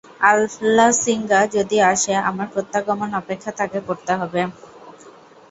আলাসিঙ্গা যদি আসে, আমার প্রত্যাগমন-অপেক্ষা তাকে করতে হবে।